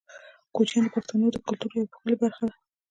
کوچیان د پښتنو د کلتور یوه ښکلې برخه ده.